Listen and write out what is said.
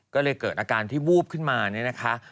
ก็เลยเกิดอาการที่วูบขึ้นมาเนี่ยนะคะ